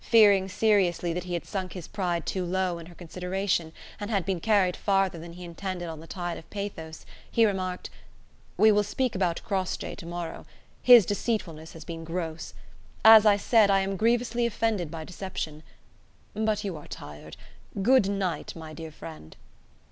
Fearing seriously that he had sunk his pride too low in her consideration, and had been carried farther than he intended on the tide of pathos, he remarked: "We will speak about Crossjay to morrow. His deceitfulness has been gross. As I said, I am grievously offended by deception. But you are tired. Good night, my dear friend."